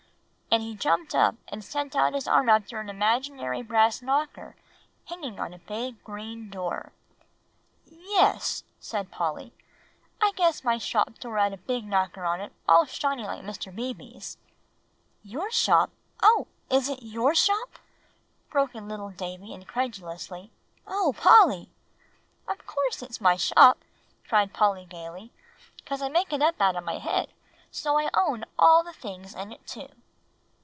and he jumped up and sent out his arm after an imaginary brass knocker hanging on a big green door. "Yes," said Polly. "I guess my shop door had a big knocker on it, all shiny like Mr. Beebe's." "Your shop? oh! is it your shop?" broke in little Davie incredulously. "O Polly!" "Of course it's my shop," cried Polly gayly, "'cause I make it up out of my head, so I own all the things in it too."